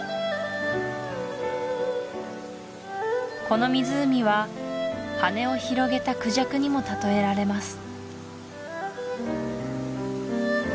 この湖は羽を広げたクジャクにも例えられます